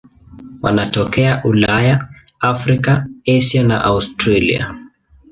Wanatokea Ulaya, Afrika, Asia na Australia.